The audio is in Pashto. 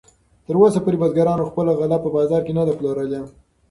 تراوسه پورې بزګرانو خپله غله په بازار کې نه ده پلورلې.